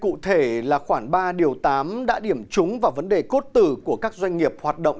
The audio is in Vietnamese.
cụ thể là khoảng ba điều tám đã điểm trúng vào vấn đề cốt tử của các doanh nghiệp hoạt động